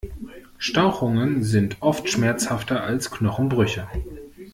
Stauchungen sind oft schmerzhafter als Knochenbrüche.